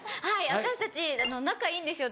私たち仲いいんですよ